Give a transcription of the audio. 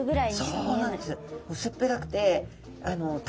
そうなんです。